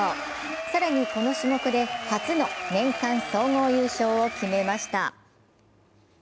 更にこの種目で初の年間総合優勝を決めました。